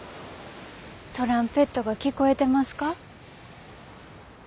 トランペットが聴こえてますか？